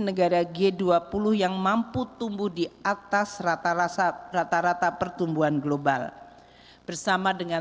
negara g dua puluh yang mampu tumbuh di atas rata rata pertumbuhan global bersama dengan